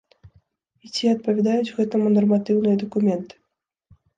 І ці адпавядаюць гэтаму нарматыўныя дакументы.